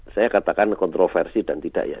saya katakan kontroversi dan tidak ya